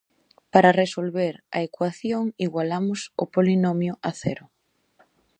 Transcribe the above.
Para resolver a ecuación igualamos o polinomio a cero.